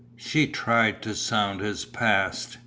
She tried to sound his past.